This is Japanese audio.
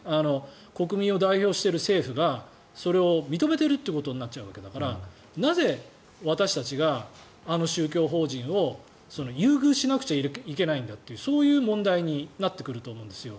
国民を代表している政府がそれを認めているということになっちゃうんだからなぜ、私たちがあの宗教法人を優遇しなくちゃいけないんだというそういう問題になってくると思うんですよ。